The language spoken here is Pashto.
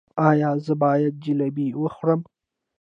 ایا زه باید جلبي وخورم؟